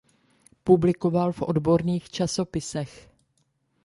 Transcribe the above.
Publikoval v odborných časopisech.